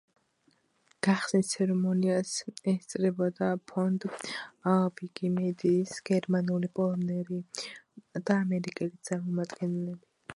გახსნის ცერემონიას ესწრებოდა ფონდ ვიკიმედიის გერმანელი, პოლონელი და ამერიკელი წარმომადგენლები.